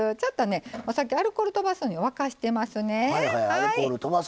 お酒、アルコールをとばすのに沸かしてますね。